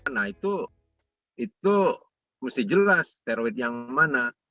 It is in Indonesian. nah itu mesti jelas steroid yang mana